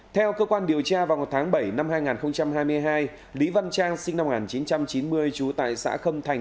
theo cơ quan điều tra vào tháng bảy năm hai nghìn hai mươi hai lý văn trang sinh năm một nghìn chín trăm chín mươi trú tại xã khâm thành